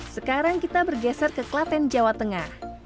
sekarang kita bergeser ke klaten jawa tengah